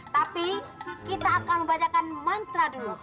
tapi kita akan membacakan mantra dulu